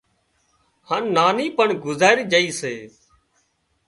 هانَ نانِي پڻ گذارِي جھئي سي